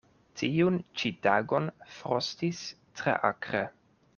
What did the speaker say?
Tiun ĉi tagon frostis tre akre.